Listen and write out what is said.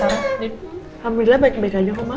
alhamdulillah baik baik aja kok mas